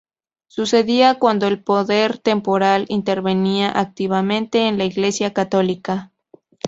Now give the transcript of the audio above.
Sucedía cuando el poder temporal intervenía activamente en la Iglesia católica.